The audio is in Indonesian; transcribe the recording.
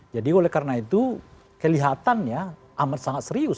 jadi oleh karena itu kelihatannya amat sangat serius